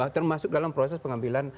termasuk dalam proses pengambilan